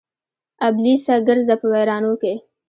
ابلیسه ګرځه په ویرانو کې